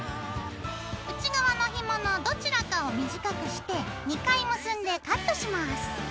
内側のひものどちらかを短くして２回結んでカットします。